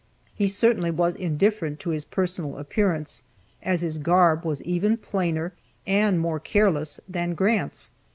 He certainly was indifferent to his personal appearance, as his garb was even plainer, and more careless, than Grant's.